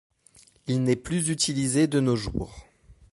Il n'est plus utilisé de nos jours.